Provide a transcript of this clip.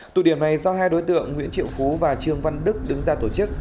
tụ điểm này do hai đối tượng nguyễn triệu phú và trương văn đức đứng ra tổ chức